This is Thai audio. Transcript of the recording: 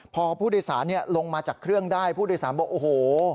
พอผู้โดยสารลงมาจากเครื่องได้ผู้โดยสารบอกโอ้โห